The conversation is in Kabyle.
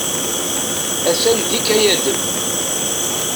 A-t-an d ikayaden.